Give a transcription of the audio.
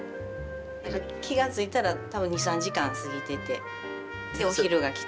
気が付いたら多分２３時間過ぎててでお昼が来てみたいな。